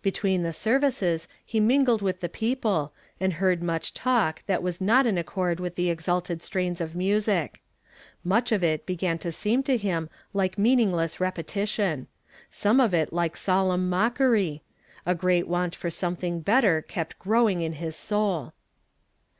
Between the services he mingled with the people, and heard much talk that was not in accord with the exalted strains of music. Much of it began to seem to him like meaningless rei)e tition; some of it like solenni mockery; a great want for something better kept growing in his soul.